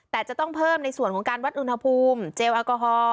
แต่จะต้องเพิ่มในส่วนของการวัดอุณหภูมิเจลแอลกอฮอล